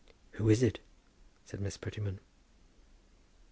"Who is it?" said Miss Prettyman.